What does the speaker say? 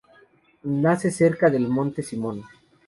Nace cerca del monte Simón.